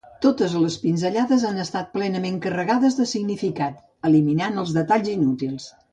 Totes les pinzellades han d'estar plenament carregades de significat, eliminant els detalls inútils.